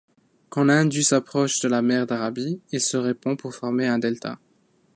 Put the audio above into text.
Quand l'Indus s'approche de la mer d'Arabie, il se répand pour former un delta.